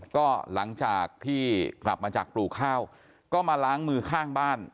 ก็หลังจากที่กลับมาจากปลูกข้าวก็มาล้างมือข้างบ้าน